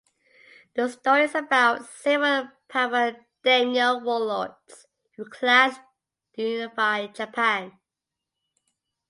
The story is about several powerful daimyo (warlords) who clash to unify Japan.